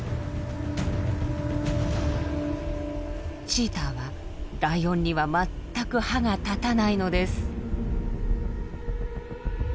チーターはライオンには全く歯が立たないのです。